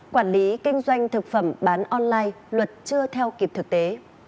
quản lý kinh doanh thực phẩm bán online luật chưa theo kịp thực tế